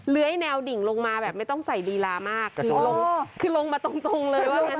เลื้อยแนวดิ่งลงมาแบบไม่ต้องใส่รีลามากคือลงมาตรงเลยว่างั้น